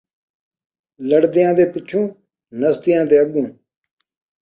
لڑدیاں دے پچھوں ، نسدیاں دے اڳوں